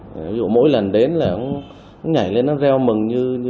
ví dụ mỗi lần đến là ông nhảy lên ông reo mừng như mẹ